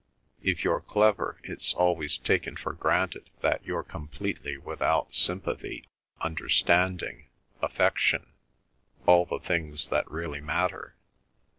If you're clever it's always taken for granted that you're completely without sympathy, understanding, affection—all the things that really matter.